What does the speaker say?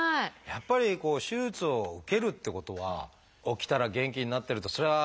やっぱり手術を受けるってことは起きたら元気になってるとそりゃあ